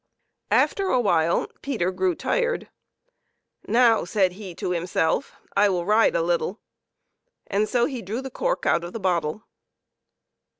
After a while Peter grew tired. " Now," said he to himself, " I will ride a little ;" and so he drew the cork out of the bottle.